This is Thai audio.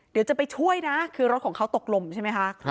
เดี๋ยวจะไปช่วยนะคือรถของเขาตกลมใช่ไหมคะ